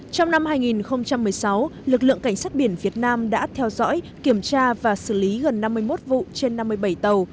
trong năm hai nghìn một mươi sáu lực lượng cảnh sát biển việt nam đã theo dõi kiểm tra và xử lý gần năm mươi một vụ trên năm mươi bảy tàu